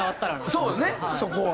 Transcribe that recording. そうねそこは。